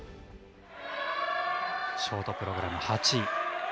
ショートプログラム８位。